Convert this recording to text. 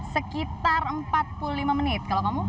sekitar empat puluh lima menit kalau kamu